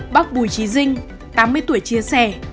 bác bùi trí dinh tám mươi tuổi chia sẻ